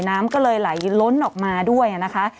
น้ำก็เลยไหลล้นออกมาด้วยนะคะ